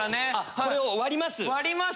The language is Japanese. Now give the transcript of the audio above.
これを割ります。